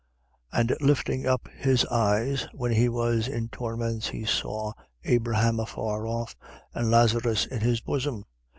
And lifting up his eyes when he was in torments, he saw Abraham afar off and Lazarus in his bosom: 16:24.